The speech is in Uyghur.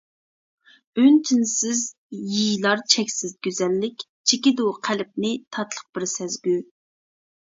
ئۈن-تىنسىز يېيىلار چەكسىز گۈزەللىك، چېكىدۇ قەلبنى تاتلىق بىر سەزگۈ.